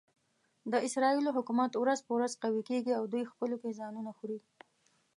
د اسرایلو حکومت ورځ په ورځ قوي کېږي او دوی خپلو کې ځانونه خوري.